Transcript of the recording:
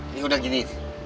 ini udah gini